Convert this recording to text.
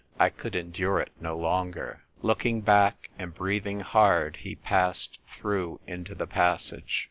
I could endure it no longer. Looking back and breathing hard, he passed through into the passage.